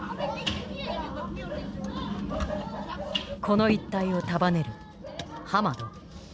この一帯を束ねるハマド。